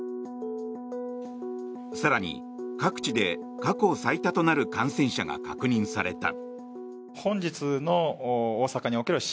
更に、各地で過去最多となる感染者が確認された。